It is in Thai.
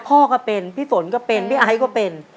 พ่อก็เป็นพี่ฝนก็เป็นพี่ไอซ์ก็เป็น